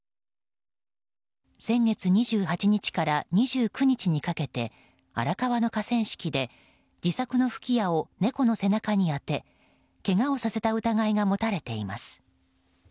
先月２８日から２９日にかけて荒川の河川敷で自作の吹き矢を猫の背中に当てけがをさせた疑いが持たれています。